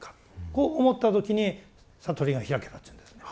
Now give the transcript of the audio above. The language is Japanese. こう思った時に悟りが開けたっていうんですね。